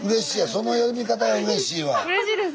その呼び方がうれしいわ。